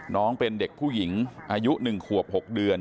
น้องเป็นเด็กผู้หญิงอายุ๑ขวบ๖เดือน